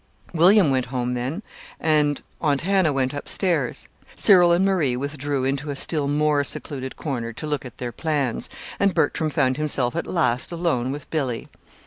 William went home then, and Aunt Hannah went up stairs. Cyril and Marie withdrew into a still more secluded corner to look at their plans, and Bertram found himself at last alone with Billy.